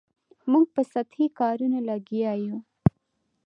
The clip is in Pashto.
موږ په سطحي کارونو لګیا یو.